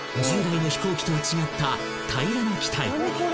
［従来の飛行機とは違った平らな機体］